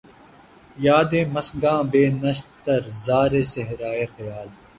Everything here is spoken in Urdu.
یادِ مژگاں بہ نشتر زارِ صحراۓ خیال